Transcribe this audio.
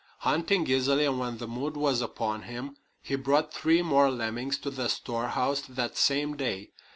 Hunting easily and when the mood was upon him, he brought three more lemmings to the storehouse that same day.